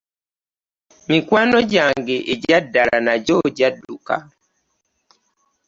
Mikwano gyange egya ddala nagyo gyadduka.